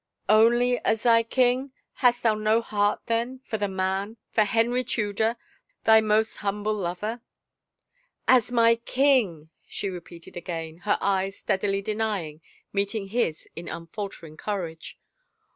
" Only as thy king? Hast thou no heart then for the man — for Henry Tudor, thy most humble lover?" " As my king I " she repeated again, her eyes, steadily denying, meeting his in unfaltering courage.